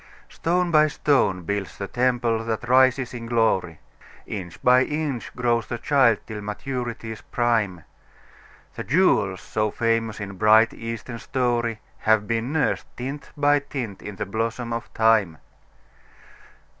Stone by stone builds the temple that rises in glory, Inch by inch grows the child till maturity's prime; The jewels so famous in bright, Eastern story Have been nursed, tint by tint, in the blossom of Time.